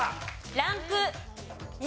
ランク２。